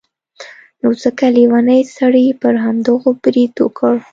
نو ځکه لیوني سړي پر همدغو برید وکړ.